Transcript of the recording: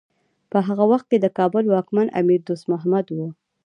په هغه وخت کې د کابل واکمن امیر دوست محمد و.